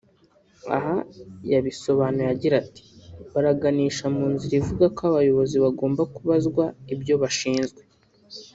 Aha yabisobanuye agira ati “Biraganisha mu nzira ivuga ko abayobozi bagomba kubazwa ibyo bashinzwe